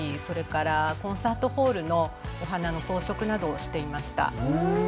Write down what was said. それからコンサートホールのお花の装飾などをしていました。